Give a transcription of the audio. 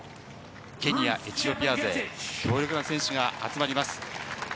ケニア、エチオピア勢、強力な選手が集まります。